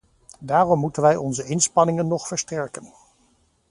Daarom moeten wij onze inspanningen nog versterken.